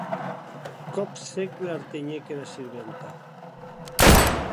Còp sec, l'artenhec era sirventa.